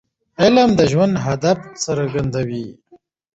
علم د ژوند هدف څرګندوي.